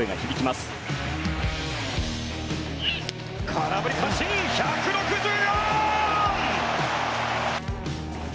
空振り三振、１６４！